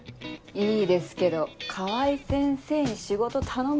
いいですけど川合先生に仕事頼む